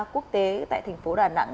quốc tế tại thành phố đà nẵng